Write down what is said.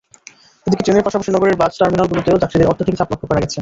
এদিকে, ট্রেনের পাশাপাশি নগরের বাস টার্মিনালগুলোতেও যাত্রীদের অত্যধিক চাপ লক্ষ্য করা গেছে।